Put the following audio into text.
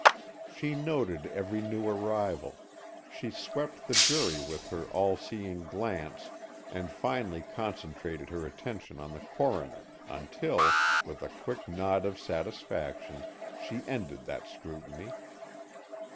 She noted every new arrival, she swept the jury with her all seeing glance and finally concentrated her attention on the coroner, until, with a quick nod of satisfaction, she ended that scrutiny.